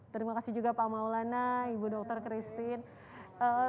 terima kasih juga pak maulana ibu dokter christine